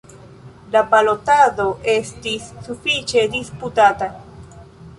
La balotado estis sufiĉe disputata.